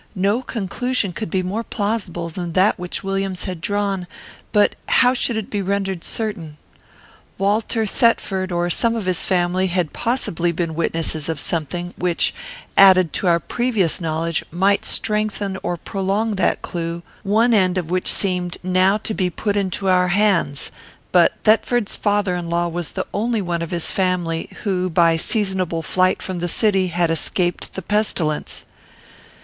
No conclusion could be more plausible than that which Williams had drawn; but how should it be rendered certain? Walter Thetford, or some of his family, had possibly been witnesses of something, which, added to our previous knowledge, might strengthen or prolong that clue, one end of which seemed now to be put into our hands; but Thetford's father in law was the only one of his family, who, by seasonable flight from the city, had escaped the pestilence.